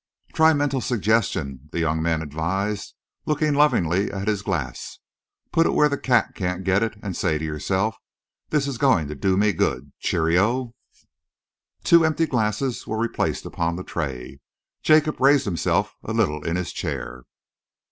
"Try mental suggestion," the young man advised, looking lovingly at his glass. "Put it where the cat can't get it and say to yourself, 'This is going to do me good.' Cheerio!" Two empty glasses were replaced upon the tray. Jacob raised himself a little in his chair.